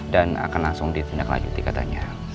dan akan langsung ditindak lanjuti katanya